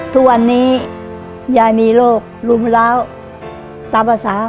ทุกวันนี้ยายมีโรครุมร้าวตามภาษา